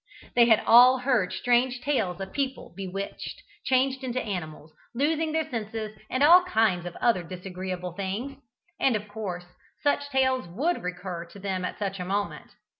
They had all heard strange tales of people bewitched, changed into animals, losing their senses, and all kinds of other disagreeable things, and of course such tales would recur to them at such a moment.